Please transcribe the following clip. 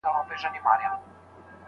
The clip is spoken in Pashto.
ما به کرار ـ کرار د زړه په تار پېيل گلونه